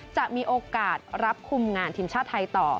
จะมีโอกาสรับคุมงานทีมชาติไทยต่อ